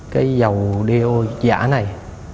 cái dầu đi ô giả này